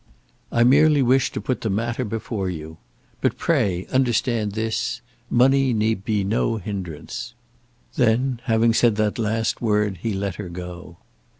I merely wish to put the matter before you. But, pray, understand this; money need be no hindrance." Then, having said that last word, he let her go.